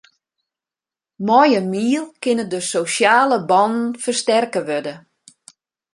Mei in miel kinne de sosjale bannen fersterke wurde.